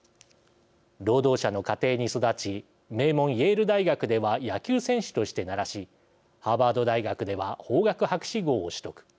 労働者の家庭に育ち名門、イェール大学では野球選手として鳴らしハーバード大学では法学博士号を取得。